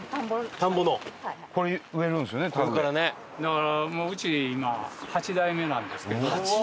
だからもううち今８代目なんですけど。